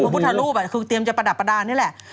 พุทธรูปคือเตรียมจะประดับประดานนี่แหละ